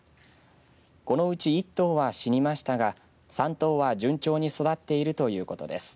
このうち１頭は死にましたが３頭は順調に育っているということです。